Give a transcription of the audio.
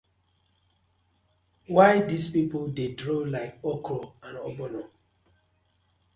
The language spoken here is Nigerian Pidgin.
Why dis pipu dey draw like okra and ogbono.